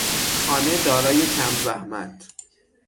خانه دارای کم زحمت